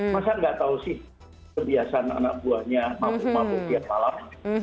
masa nggak tahu sih kebiasaan anak buahnya mabuk mabuk tiap malam